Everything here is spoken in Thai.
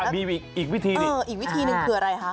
มีอีกวิธีหนึ่งอีกวิธีหนึ่งคืออะไรคะ